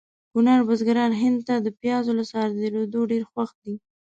کونړ بزګران هند ته د پیازو له صادریدو ډېر خوښ دي